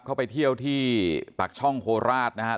ไปเที่ยวที่ปากช่องโคราชนะครับ